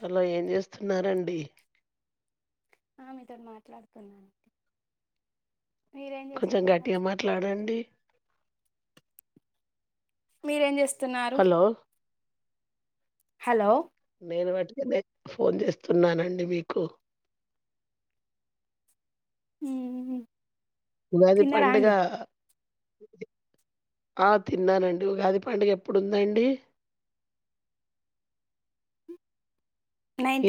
Hello ఏం చేస్తున్నారండి ఆ మీతోని మాట్లాడుతున్నానండి కొంచెం గట్టిగా మాట్లాడండి మీరేం చేస్తున్నారు హలో హలో నేను పట్టుకొనే ఫోన్ చేస్తున్నానండి మీకు మ్మ్ మ్మ్ ఉగాది పండగ ఆ తిన్నానండి ఉగాది పండగ ఎప్పుడుందండి [inaudible]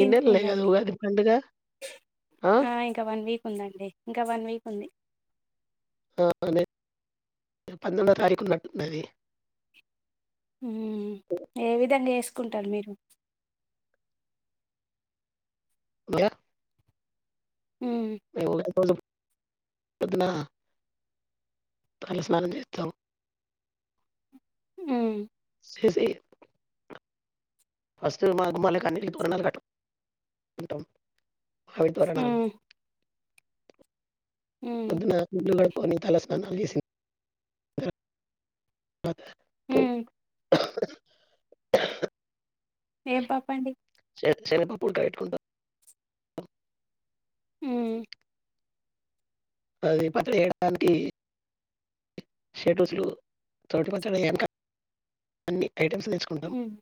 ఈ నెలలే కదా కుందండి ఉగాది పండుగ ఆ ఇంక వన్ వీక్ ఉందండి ఇంక వన్ వీక్ ఉంది ఆ అదే పంతొమ్మిదో తారికున్నట్టున్నది మ్మ్ ఏ విధంగా చేసుకుంటారు మీరు [unintelligible] మ్మ్ మేము [unintelligible] పొద్దున తల స్నానం చేస్తాం హ్మ్ చేసి ఫస్ట్ మా గుమ్మలకి అన్నిటికి తోరణాలు కట్టు కుంటాం మావిడి తోరణాలు మ్మ్ మ్మ్ పొద్దున ఇల్లు కడుక్కొని తల స్నానాలు చేసి మ్మ్ తరవాత ఏం పప్పు అండి శనిగి పప్పులతో పెట్టుకుంటాం మ్మ్ అది పచ్చడి చేేయడానికి షడ్ రుచులు [unintelligible] అన్ని ఐటమ్స్ నేర్చుకుంటాం మ్మ్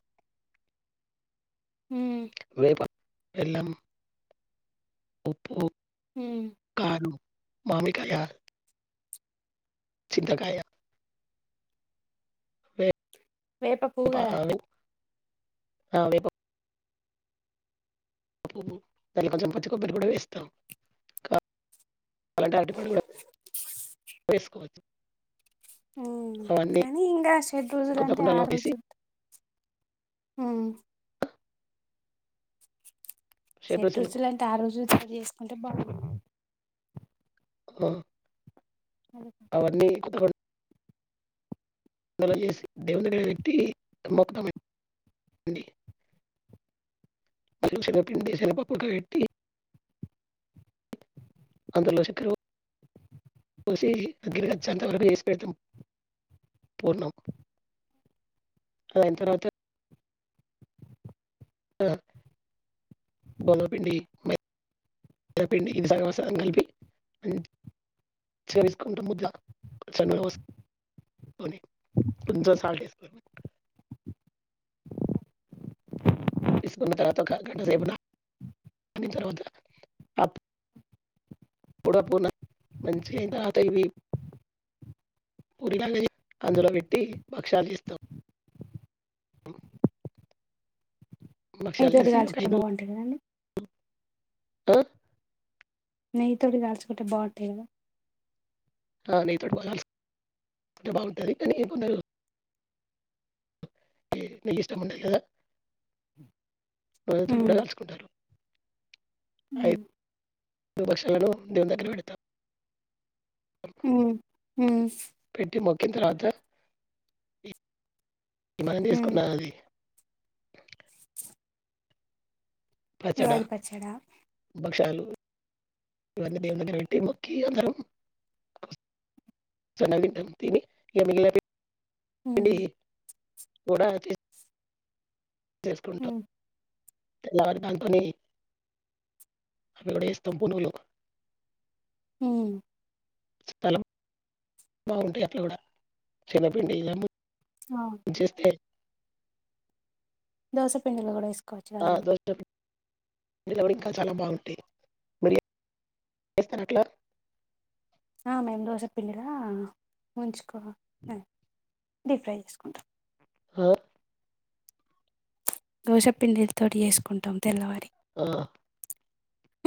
మ్మ్ వేప బెల్లం ఉప్పు మ్మ్ కారం, మామిడికాయ చింత కాయ వేప పూవు గద అ వేప పూ పువ్వు కొంచెం పచ్చి కొబ్బరి కూడా వేస్తాం అలాంటి అరటి పండు కూడా వేసుకోవచ్చు హ్మ్ అవన్నీ కానీ ఇంకా షడ్రుచులు కొత్త అంటే కుండలో ఆరు వేసి రుచులు హ్మ్ షడ్రుచులు అంటే ఆరు రుచులు గా చేసుకుంటే బా ఆ అవన్ని [unintelligible] సగం పిండకి స్వల్ప పక్క పెట్టి అందులో శక్కర పోసి దగ్గరికి వచ్చేంతవరకు వేసి పెడతాం పూన్నాం అయినా తర్వాత ఆ బలోపింది పి ఇది సగం సగం కల్పి చేరిసుకుంటా ముధ చన్న వ్యవ కొంచం సాల్ట్ వేసుకొని తీసుకున్న తర్వాత ఒక గంటసేపుంది తర్వాత కూడా పోనా మంచి అయిందిత ఇవి పరి అందులో పెట్టి భక్ష్యాలు చేస్తాం అలో భక్ష్యాలు మీతోటి చేసి ఒక కాల్చుకుంటే ఐదు బాగుంటది కదండి ఆ నెయ్యి తోటి కాల్చుకుంటే బావుంటాయి గద ఆ నేయితోటీ కాలుస్తే అంటే బాగుంటుంది కానీ ఏ కొందరు నెయ్యి ఇష్టం ఉండి కదా నూనె తోటి కూడా కాల్చుకుంటారు మ్మ్ వి విపక్షాలను దివ దకిలు పెడతారు హ్మ్ పెట్టి మగ్గిన తర్వాత ఇమని హ్మ్ తీసుకున్నాను అది పచ్చడ ఉగాది పచ్చడా భక్షాలు మ అందరం [inaudible] స న తని ఎమి [inaudible] మ్మ్ కూడా అది చేసుకుంటాం హ్మ్ తెల్లారి దాంతోని అవి కూడా చేస్తాం పునుగులు హ్మ్ స్లం బాగుంటాయి అట్లా కూడా శెనగపిండి ఆ [inaudible] చేస్తే దోస పిండిలో కూడా వేసుకు ఆ దోశ ఇంకా చాలా బాగుంటాయ్ మిరియాలు చేస్తాను అట్లా ఆ మేము దోశ పిండిలా ముంచుకొని డీప్ ఫ్రై చేసుకుంటాం ఆ దోస పిండి తోటి చేసుకుంటాం తెల్లవారి ఆ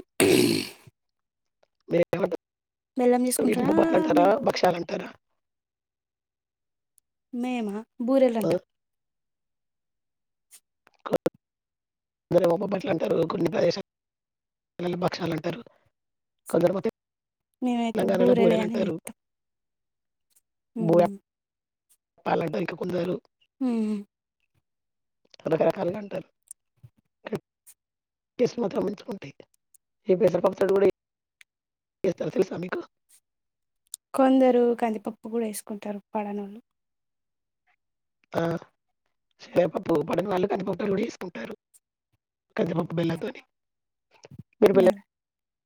ఉక్ ఉమ్ మీరు వీటిని ఏమంటారు నేతి చేసుకుంటారా బూరెలు అంటారా మీరు భక్షాలు అంటారా మేమా బూరెలు ఆ, అంటాం మరి ఏమో బొబ్బట్లు అంటాం కొన్ని ప్రదేశాల్లో బక్షాలు అంటారు కొందరు మేమైతే తెలంగాణ లో బూరెలే బూరెలంటారు హ్మ్ వాళ్ళంటా ఇంకా కొందరు మ్మ్ రకరకాలుగా అంటారు ఇసుక మాత్రం ఎందుకుంటాయి ఈ పెసర పప్పు తో కూడా చెయ్ ఏస్తారు తెలుసా మీకు కొందరు కందిపప్పు కూడా వేసుకుంటారు పడనోళ్లు ఆ శనగపప్పు పడని వాళ్ళు కందిపప్పు కూడా వేసుకుంటారు కందిపప్పు బెల్లం తోని మిరియాలు బెల్లం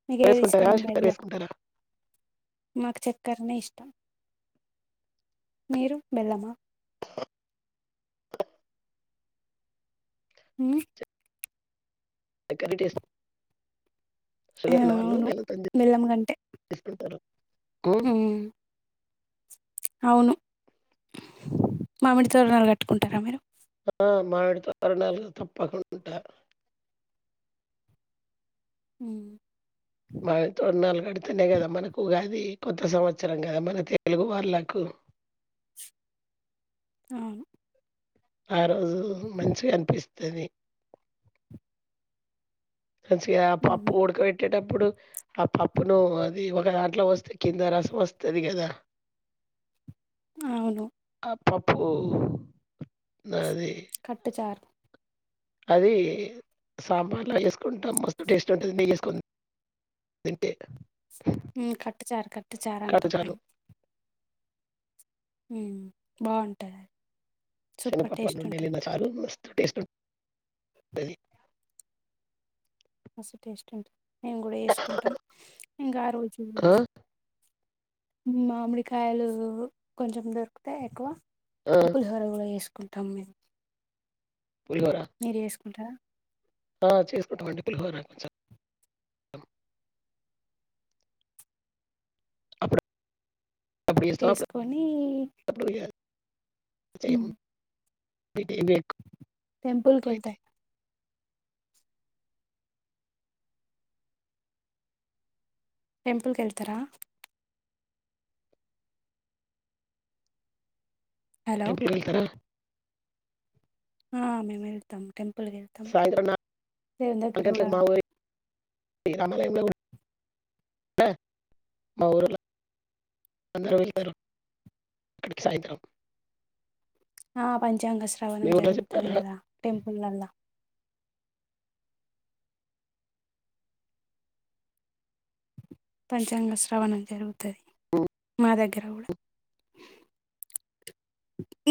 మీకు ఏది వేసుకుంటారా ఇష్టం జీలకర్ర బెల్లం వేసుకుంటారా మాకు చక్కరనే ఇష్టం మీరు బెల్లమా మ్మ్ దగ్గర టెస్ట్ ఆ అవును బెల్లం కంటే చేసుకుంటారు. హ్మ్. మ్మ్ అవును మామిడి తోరణాలుకట్టుకుంటారా మీరు ఆ మామిడి తోరణాలు తప్పకుండా మ్మ్ మామిడి తోరణాలు కడితేనే కదా మనకు ఉగాది కొత్త సంవత్సరం కదా మన తెలుగు వాళ్లకు అవును ఆ రోజు మంచిగా అనిపిస్తది మంచిగా పప్పు మ్మ్ ఉడక పెట్టేటప్పుడు అప్పుడు ఆ పప్పును అది ఒక దాంట్లో పొస్తే కింద రసం వస్తది కదా అవును ఆ పప్పు అది పప్పు చార్ అది సాంబార్లా చేసుకుంటాం మస్తు టేస్ట్ ఉంటుంది నెయ్యి వేసుకుంటే తింటే పప్పు చారు పప్పు చారు అంటం మేము మ్మ్ బాగుంటది సూపర్ శనగపప్పు టేస్ట్ ఉంటది రెండేళ్ల చాలు టేస్ట్ మస్తు టేస్ట్ ఉంటుంది మేము కూడా చేసుకుంటాం ఇంకా ఆ రోజు ఆ! మామిడికాయలు కొంచెం దొరుకుతాయి ఎక్కువ ఆ! పులిహోర కూడా చేసుకుంటాం మేము పులిహోర వెళ్తారా ఆ చేసుకుంటామండి పులిహోరా కొంచెం అప్పుడు అప్పుడు చేస్తాం చేసుకొని అప్పుడు ఇగా చెయ్యకు అది టెంపుల్ కి వెళ్తాం టెంపుల్కి వెళ్తారా హలో టెంపుల్ కి వెళ్తారా ఆ మేము వెళ్తాం టెంపుల్ కీ వెళ్తాం సాయంత్రం దేవుని దగ్గర కూడా గంటలకు మా ఊరి మా ఊరోల్లా అందరూ వెళ్తారు అక్కడికి సాయంత్రం ఆ పంచాంగ మీ శ్రావణం ఊర్లో జరుగుతది చెప్తారా? కదా టెంపుల్లల్లా పంచాంగ శ్రవణం జరుగుతది హ్మ్. మా దగ్గర గూడా.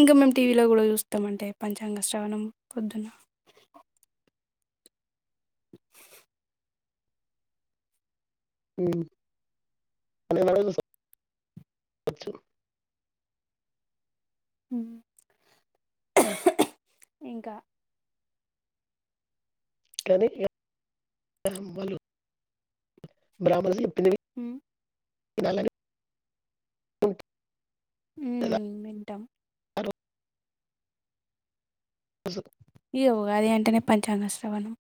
ఇంకా మేమ్ టీవీలో గూడా జూస్తామంటే పంచాంగ శ్రవణం పొద్దున్నా. [unintelligible] ఊమ్మ్ ఇంకా. ! [unintelligible] ఊ. [unintelligible] ఉంటది ఊహ్మ్ వింటాం. [unintelligible] [unintelligible] ఈగా ఉగాది అంటేనే పంచాంగ శ్రవణం.